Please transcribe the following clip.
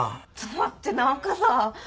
だって何かさあ。